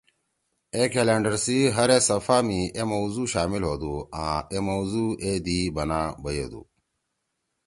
اے کلینڈر سی ہر اے صفحہ می اے موضوع شامل ہودُو آں اے موضوع اے دی می بنا بیَدُو۔